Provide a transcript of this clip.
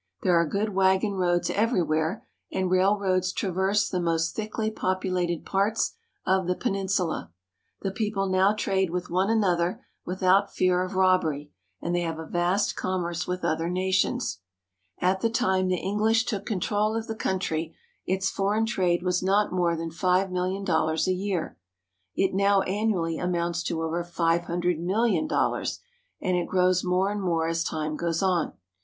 There are good wagon roads everywhere, and railroads traverse the most thickly populated parts of the peninsula. The people now trade with one another without fear of robbery, and they have a vast commerce with other nations. At the time the EngHsh took con trol of the country, its foreign trade was not more than five million dollars a year. It now annually amounts to over five hundred million dollars, and it grows more and more as time goes on.